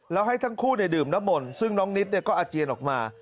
แล้วให้ทั้งคู่เนี่ยดื่มน้ำมนซึ่งน้องนิดเนี่ยก็อาเจียนออกมา